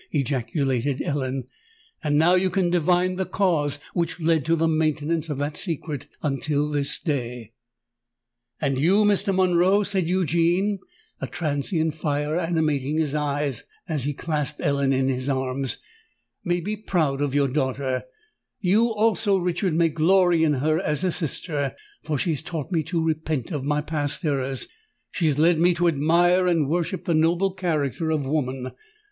ejaculated Ellen: "and now you can divine the cause which led to the maintenance of that secret until this day!" "And you, Mr. Monroe," said Eugene, a transient fire animating his eyes, as he clasped Ellen in his arms, "may be proud of your daughter—you also, Richard, may glory in her as a sister—for she has taught me to repent of my past errors—she has led me to admire and worship the noble character of Woman!